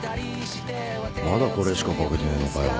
まだこれしか書けてねえのかよ。